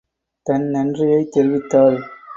தன் நன்றியைத் தெரிவித்தாள்.